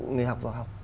người học vào học